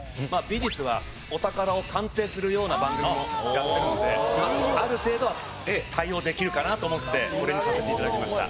美術はお宝を鑑定するような番組もやってるのである程度は対応できるかなと思ってこれにさせて頂きました。